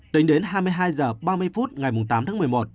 tính đến hai mươi hai h ba mươi phút ngày tám tháng một mươi một